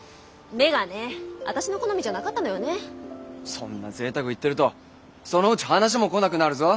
そんな贅沢言ってるとそのうち話も来なくなるぞ。